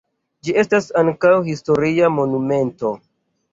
Ĝi estas ankaŭ historia monumento.